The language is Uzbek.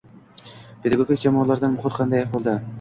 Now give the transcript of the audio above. Pedagogik jamoalarda muhit qanday ahvolda?